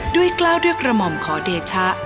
กล้าวด้วยกระหม่อมขอเดชะ